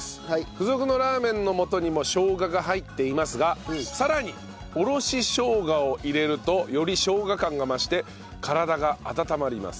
付属のラーメンの素にもしょうがが入っていますがさらにおろししょうがを入れるとよりしょうが感が増して体が温まります。